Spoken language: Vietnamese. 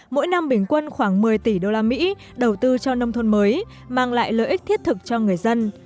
mỗi năm bình quân khoảng một mươi tỷ đô la mỹ đầu tư cho nông thôn mới mang lại lợi ích thiết thực cho người dân